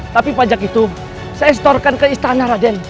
tapi pajak itu saya setorkan ke istana raden